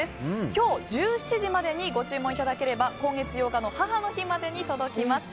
今日１７時までにご注文いただければ今月８日の母の日までに届きます。